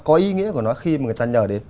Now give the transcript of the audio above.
của nó khi mà người ta nhờ đến